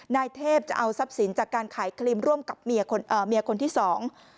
นายเทพจะเอาทรัพย์สินจากการขายครีมร่วมกับเมียคนเอ่อเมียคนที่สอง